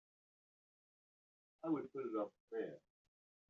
I would put it up there!